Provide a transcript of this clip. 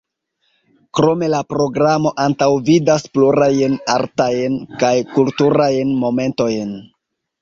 Krome la programo antaŭvidas plurajn artajn kaj kulturajn momentojn.